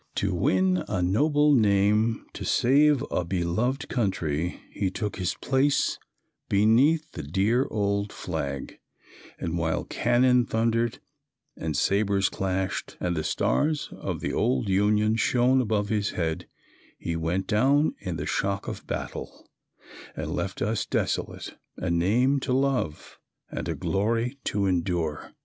To win a noble name, to save a beloved country, he took his place beneath the dear old flag, and while cannon thundered and sabers clashed and the stars of the old Union shone above his head he went down in the shock of battle and left us desolate, a name to love and a glory to endure.